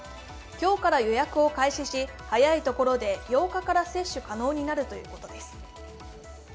今日から予約を開始し、早いところで８日から接種可能になるということです。